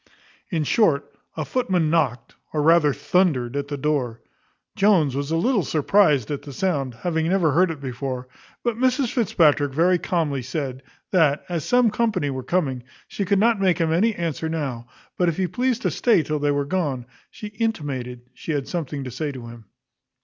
In short, a footman knocked, or rather thundered, at the door. Jones was a little surprized at the sound, having never heard it before; but Mrs Fitzpatrick very calmly said, that, as some company were coming, she could not make him any answer now; but if he pleased to stay till they were gone, she intimated she had something to say to him.